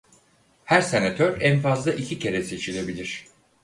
Her senatör en fazla iki kere seçilebilir.